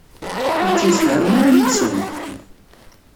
Ur tettemsefhamem ara yid-sen?